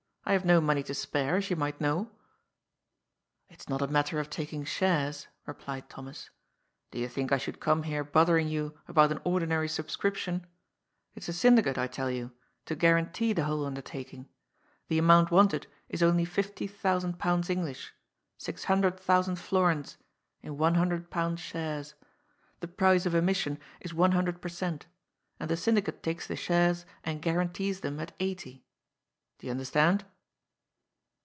I have no money to spare, as you might know." " It's not a matter of taking shares," replied Thomas. " Do you think I should come here bothering you about an ordinary subscription ? It's a syndicate, I tell you, to guar antee the whole undertaking. The amount wanted is only fifty thousand pounds English, six hundred thousand florins, in one hundred pound shares. The price of emission is one hundred per cent., and the syndicate takes the shares and guarantees them at eighty. Do you understand